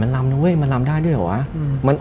ลำ